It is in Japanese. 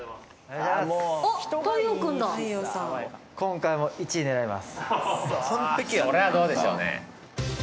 何かそれはどうでしょうね